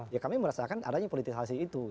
ya kami merasakan adanya politisasi itu